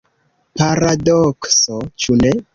Paradokso, ĉu ne?